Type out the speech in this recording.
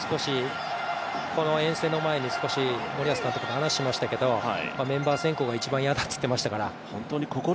この遠征の前に森保監督と少し話をしましたけど、メンバー選考が一番いやだと言っていましたから。